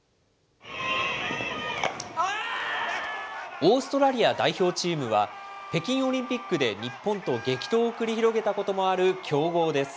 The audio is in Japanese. オーストラリア代表チームは、北京オリンピックで日本と激闘を繰り広げたこともある強豪です。